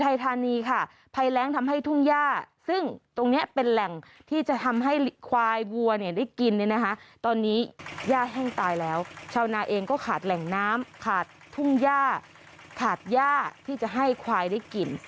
ย่าแห้งตายแล้วชาวนาเองก็ขาดแหล่งน้ำขาดทุ่งย่าขาดย่าที่จะให้ควายได้กิน